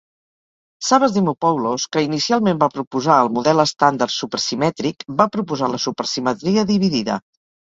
Savas Dimopoulos, que inicialment va proposar el model estàndard supersimètric, va proposar la supersimetria dividida.